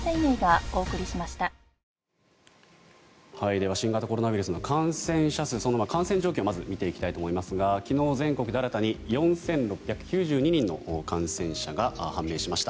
では新型コロナウイルスの感染状況から見ていきたいと思いますが昨日全国で新たに４６９２人の感染者が判明しました。